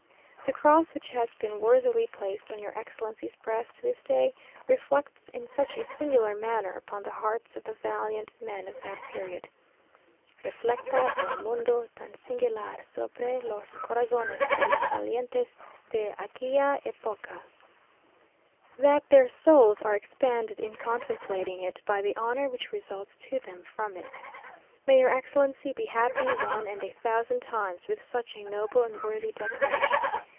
"The cross which has been worthily placed on your Excellency's breast this day, reflects in such a singular manner upon the hearts of the valiant men of that period (reflecta de un modo tan singular sobre los corazones de los valientes de aquella época), that their souls are expanded in contemplating it, by the honour which results to them from it. "May your Excellency be happy one and a thousand times, with such a noble and worthy decoration.